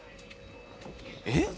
「えっ？